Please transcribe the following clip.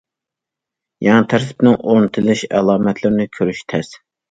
يېڭى تەرتىپنىڭ ئورنىتىلىش ئالامەتلىرىنى كۆرۈش تەس.